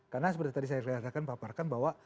karena seperti tadi saya katakan paparkan bahwa